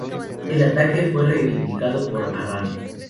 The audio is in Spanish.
El ataque fue reivindicado por Arran.